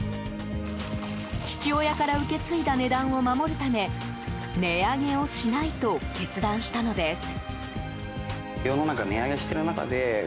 父親から受け継いだ値段を守るため値上げをしないと決断したのです。